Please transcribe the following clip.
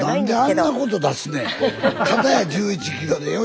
何であんなこと出すねん。